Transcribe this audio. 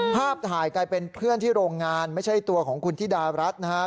ภาพถ่ายกลายเป็นเพื่อนที่โรงงานไม่ใช่ตัวของคุณธิดารัฐนะฮะ